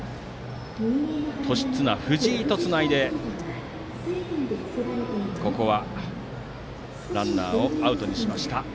年綱、藤井とつないでランナーをアウトにしました。